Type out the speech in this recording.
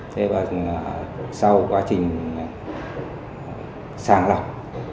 thế và sau quá trình sàng lọc